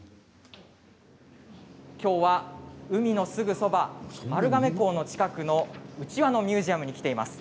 きょうは海のすぐそば丸亀港の近くのうちわのミュージアムに来ています。